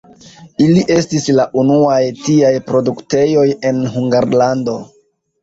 Ili estis la unuaj tiaj produktejoj en Hungarlando.